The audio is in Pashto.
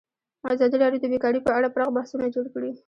ازادي راډیو د بیکاري په اړه پراخ بحثونه جوړ کړي.